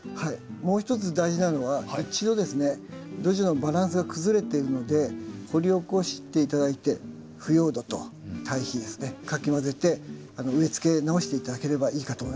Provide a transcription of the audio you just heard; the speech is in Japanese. もう一つ大事なのは一度ですね土壌のバランスが崩れてるので掘り起こして頂いて腐葉土と堆肥ですねかき混ぜて植えつけ直して頂ければいいかと思います。